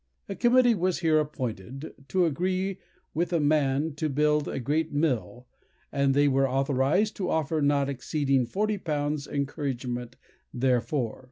A committee was here appointed, "to agree with a man to build a great mill, and they were authorized to offer not exceeding forty pounds encouragement therefor."